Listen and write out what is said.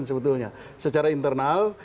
sebetulnya secara internal